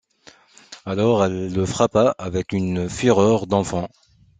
Alors elle le frappa avec une fureur d’enfant.